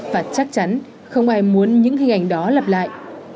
và chắc chắn không ai muốn những hình ảnh đó lặp lại